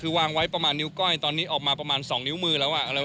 คือวางไว้ประมาณนิ้วก้อยตอนนี้ออกมาประมาณ๒นิ้วมือแล้ว